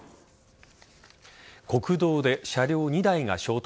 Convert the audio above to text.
国道で車両２台が衝突。